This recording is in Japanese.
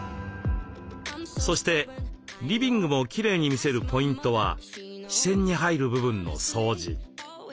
そしてリビングもきれいに見せるポイントは視線に入る部分の掃除。